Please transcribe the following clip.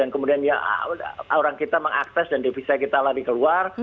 kemudian orang kita mengakses dan divisa kita lagi keluar